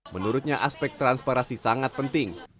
menurutnya aspek transparasi sangat penting